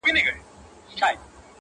ډلي راغلې د افسرو درباریانو؛